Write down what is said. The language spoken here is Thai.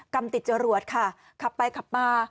กรรมติดจรวดค่ะขับไปขับมา